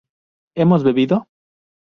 ¿hemos bebido?